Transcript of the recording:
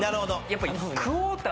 やっぱり。